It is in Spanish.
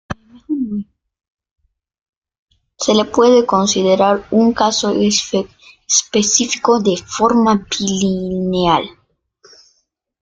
Se le puede considerar un caso específico de forma bilineal.